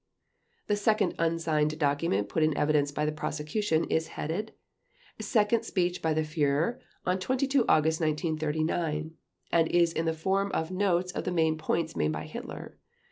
The second unsigned document put in evidence by the Prosecution is headed: "Second Speech by the Führer on 22 August 1939", and is in the form of notes of the main points made by Hitler.